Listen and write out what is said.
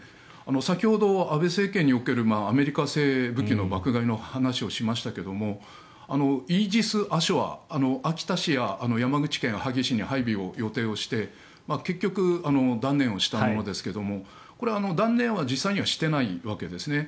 先ほど安倍政権におけるアメリカ製武器の爆買いについてお話ししましたがイージス・アショア秋田市や山口県萩市に配備を予定して結局、断念したものですが断念は実際にはしてないわけですね。